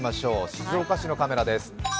静岡市のカメラです。